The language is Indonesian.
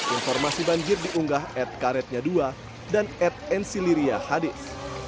informasi banjir diunggah ed karetnya dua dan ed enciliria hadis